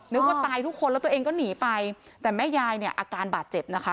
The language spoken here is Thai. นึกว่าตายทุกคนแล้วตัวเองก็หนีไปแต่แม่ยายเนี่ยอาการบาดเจ็บนะคะ